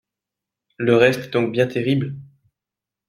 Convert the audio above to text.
Le reste est donc bien terrible ?